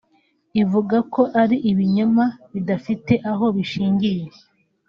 ivuga ko ari ibinyoma bidafite aho bishingiye